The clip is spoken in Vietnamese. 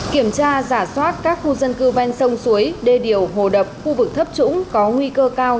kiểm tra giả soát các khu dân cư ven sông suối đê điều hồ đập khu vực thấp trũng có nguy cơ cao